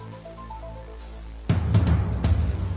เราจับชุดเยอะ